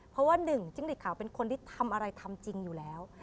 เพราะว่าหนึ่งจิ้งหลีดขาวเป็นคนที่ทำอะไรทำจริงอยู่แล้ว